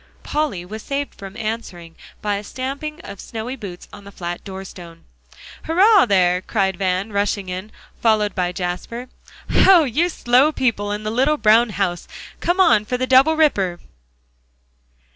Polly was saved from answering by a stamping of snowy boots on the flat doorstone. "Hurrah, there!" cried Van, rushing in, followed by Jasper. "Hoh, you slow people in the little brown house, come on for the double ripper!"